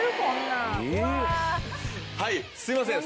はいすいません。